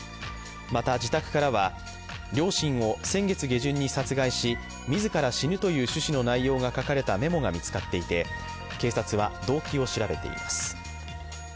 また、自宅からは両親を先月下旬に殺害し、自ら死ぬという趣旨の内容が書かれたメモが見つかっていて、警察は動機を調べています。